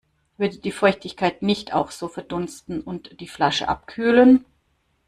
Würde die Feuchtigkeit nicht auch so verdunsten und die Flasche abkühlen?